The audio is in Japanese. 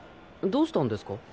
どうしたんですか？